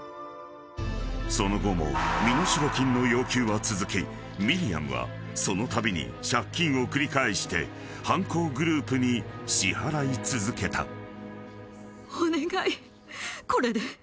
［その後も身代金の要求は続きミリアムはそのたびに借金を繰り返して犯行グループに支払い続けた］